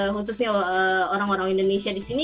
khususnya orang orang indonesia di sini